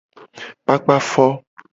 Kpakpa fo.